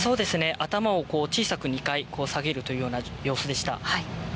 頭を小さく２回下げるというような様子でした。